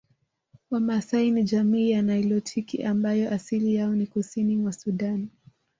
Wamaasai ni jamii ya nilotiki ambao asili yao ni kusini mwa Sudan